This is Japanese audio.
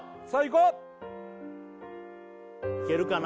こういけるかな？